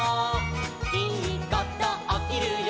「いいことおきるよ